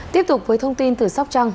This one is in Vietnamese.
tiếp tục với thông tin từ sóc trăng